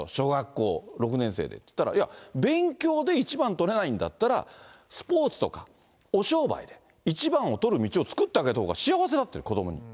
小学校６年生で、いや、勉強で１番取れないんだったら、スポーツとか、お商売で、一番を取る道を作ってあげたほうが幸せだって、子どもも。